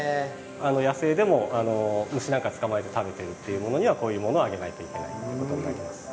野生でも虫なんか捕まえて食べてるっていうものにはこういうものをあげないといけないということになります。